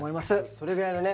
それぐらいのね